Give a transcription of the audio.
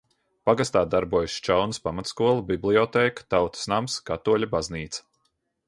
Pagastā darbojas Šķaunes pamatskola, bibliotēka, Tautas nams, katoļu baznīca.